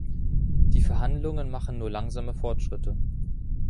Die Verhandlungen machen nur langsame Fortschritte.